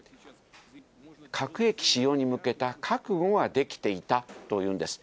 核兵器使用に向けた覚悟ができていたというんです。